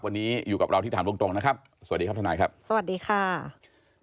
วันนี้อยู่กับเราที่ถามตรงตรงนะครับสวัสดีครับทนายครับสวัสดีค่ะ